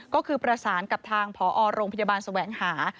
ก็คือประสานกับทางพอโรงพยาบาลแสวงหา